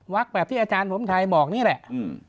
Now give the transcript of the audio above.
แบบที่อาจารย์ผมไทยบอกนี่แหละ